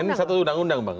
ini satu undang undang bang